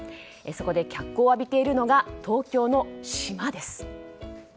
そこで脚光を浴びているのが東京の島です。